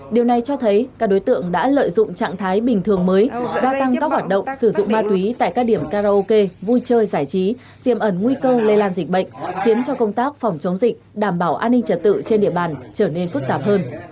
điều này cho thấy các đối tượng đã lợi dụng trạng thái bình thường mới gia tăng các hoạt động sử dụng ma túy tại các điểm karaoke vui chơi giải trí tiềm ẩn nguy cơ lây lan dịch bệnh khiến cho công tác phòng chống dịch đảm bảo an ninh trật tự trên địa bàn trở nên phức tạp hơn